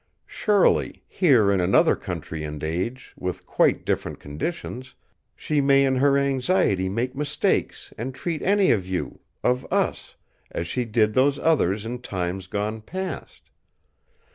Surely, here in another country and age, with quite different conditions, she may in her anxiety make mistakes and treat any of you—of us—as she did those others in times gone past.